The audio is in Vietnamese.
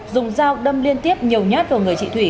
dùng dao đâm liên tiếp nhiều nhát vào người chị thủy